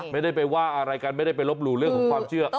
ไม่ได้ไปว่าอะไรกันไม่ได้ไปลบหลู่เรื่องของความเชื่อ